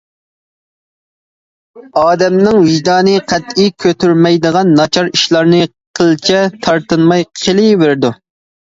ئادەمنىڭ ۋىجدانى قەتئىي كۆتۈرمەيدىغان ناچار ئىشلارنى قىلچە تارتىنماي قىلىۋېرىدۇ.